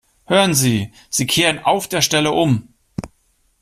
Hören Sie, Sie kehren auf der Stelle um!